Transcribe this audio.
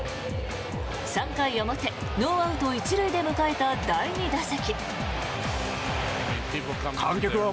３回表、ノーアウト１塁で迎えた第２打席。